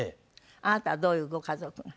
あなたはどういうご家族が？